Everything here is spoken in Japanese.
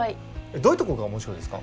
どういうとこが面白いですか？